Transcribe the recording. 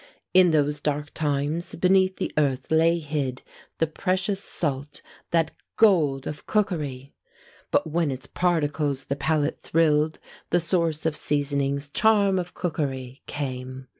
In those dark times, beneath the earth lay hid The precious salt, that gold of cookery! But when its particles the palate thrill'd, The source of seasonings, charm of cookery! came.